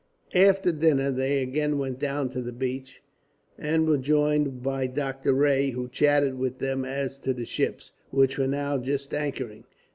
After dinner they again went down to the beach, and were joined by Doctor Rae, who chatted with them as to the ships, which were now just anchoring.